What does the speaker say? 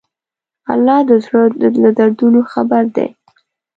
الله د زړه له دردونو خبر دی.